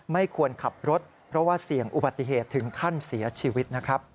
ไม่ควรขับรถเพราะว่าเสี่ยงอุบัติเหตุถึงขั้นเสียชีวิตนะครับ